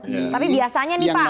tapi biasanya nih pak